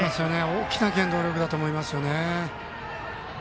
大きな原動力だと思います。